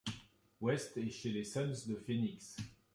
West est chez les Suns de Phoenix.